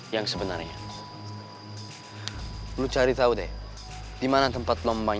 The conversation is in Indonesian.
yang sebenarnya rizal kebongkar